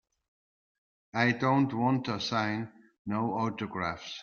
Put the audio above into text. I don't wanta sign no autographs.